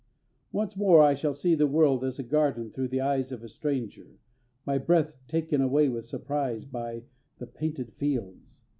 Once more I shall see the world as a garden through the eyes of a stranger, my breath taken away with surprise by the painted fields.